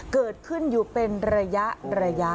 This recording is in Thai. เกิดขึ้นอยู่เป็นระยะ